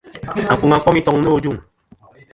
Afuŋa fom i toŋ nô ajuŋ.